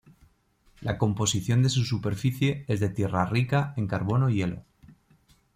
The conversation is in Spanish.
La composición de su superficie es de tierra rica en carbono y hielo.